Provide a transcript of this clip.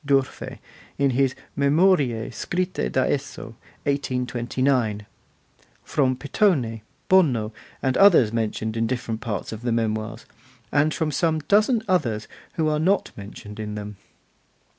d'Urfe, in his 'Memorie scritte da esso', 1829; from Pittoni, Bono, and others mentioned in different parts of the Memoirs, and from some dozen others who are not mentioned in them.